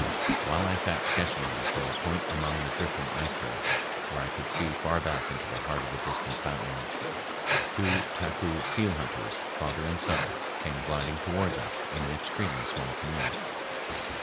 While I sat sketching them from a point among the drifting icebergs where I could see far back into the heart of their distant fountains, two Taku seal hunters, father and son, came gliding toward us in an extremely small canoe.